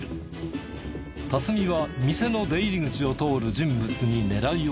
辰己は店の出入り口を通る人物に狙いを定めた。